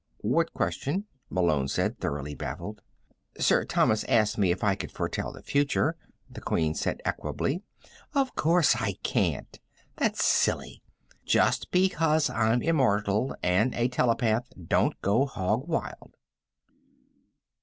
"What question?" Malone said, thoroughly baffled. "Sir Thomas asked me if I could foretell the future," the Queen said equably. "Of course I can't. That's silly. Just because I'm immortal and I'm a telepath, don't go hog wild."